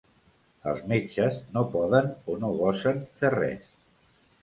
Els metges no poden o no gosen fer res.